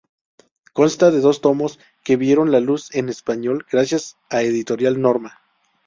Consta de dos tomos que vieron la luz en español gracias a Editorial Norma.